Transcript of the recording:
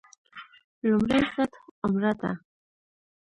لومړۍ سطح عمره ده.